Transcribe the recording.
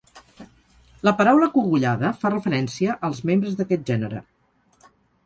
La paraula cogullada fa referència als membres d'aquest gènere.